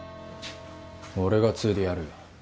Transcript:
俺が継いでやるよ